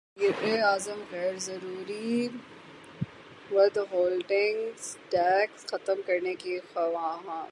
وزیراعظم غیر ضروری ود ہولڈنگ ٹیکس ختم کرنے کے خواہاں